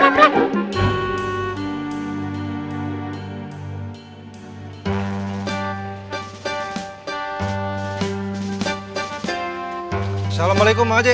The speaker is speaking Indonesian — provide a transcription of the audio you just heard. assalamualaikum mak haji